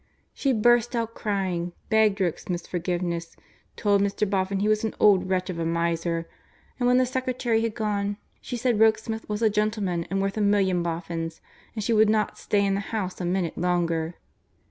She burst out crying, begged Rokesmith's forgiveness, told Mr. Boffin he was an old wretch of a miser, and when the secretary had gone, she said Rokesmith was a gentleman and worth a million Boffins, and she would not stay in the house a minute longer.